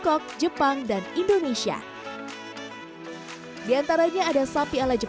di kawasan kombo energi tersebut school oneches